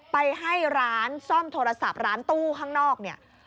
ไปให้ร้านซ่อมโทรศัพท์ร้านตู้ข้างนอกเนี่ย